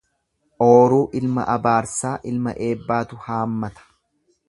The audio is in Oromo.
Ooruu ilma abaarsaa ilma eebbaatu haammata.